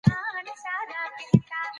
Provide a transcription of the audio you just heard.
فردوسي په شاهنامه کي ټولنه انځور کړې ده.